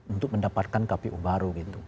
untuk mendapatkan kpu baru